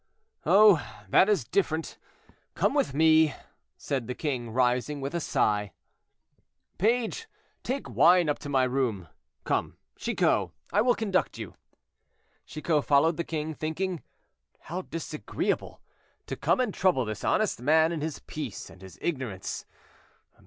"Oh! that is different. Come with me," said the king, rising, with a sigh. "Page, take wine up to my room. Come, Chicot, I will conduct you." Chicot followed the king, thinking, "How disagreeable! to come and trouble this honest man in his peace and his ignorance.